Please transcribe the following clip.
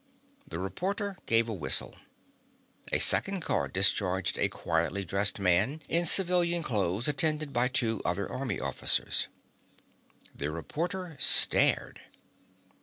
The reporter gave a whistle. A second car discharged a quietly dressed man in civilian clothes attended by two other army officers. The reporter stared.